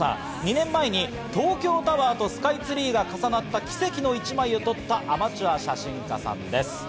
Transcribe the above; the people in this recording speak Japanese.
２年前に東京タワーとスカイツリーが重なった奇跡の１枚を撮ったアマチュア写真家さんです。